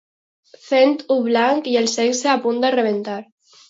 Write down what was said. Cent u blanc i el sexe a punt de rebentar.